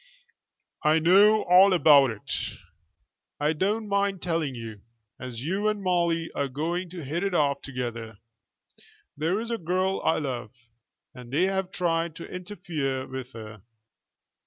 "I know all about it." "I don't mind telling you, as you and Molly are going to hit it off together. There is a girl I love, and they have tried to interfere with her."